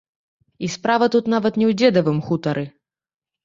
І справа тут нават не ў дзедавым хутары.